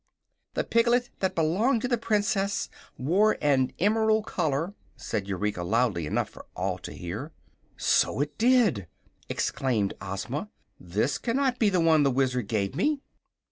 "The piglet that belonged to the Princess wore an emerald collar," said Eureka, loudly enough for all to hear. "So it did!" exclaimed Ozma. "This cannot be the one the Wizard gave me."